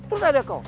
tuh nggak ada kau